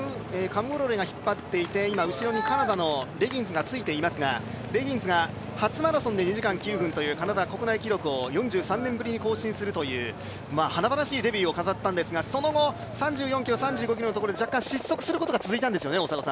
カムウォロレが引っ張っていて今後ろにカナダのレビンズがついていますがレビンズが初マラソンでカナダ国内記録を４３年ぶりに更新するという華々しいデビューを飾ったんですが、その後３４ｋｍ、３５ｋｍのところで失速するようなところが続いた。